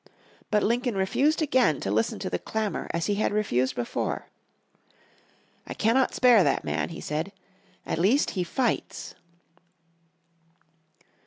But Lincoln refused again to listen to the clamour as he had refused before. "I cannot spare that man," he said, "at least he fights."